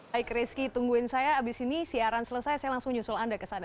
baik rizky tungguin saya habis ini siaran selesai saya langsung nyusul anda ke sana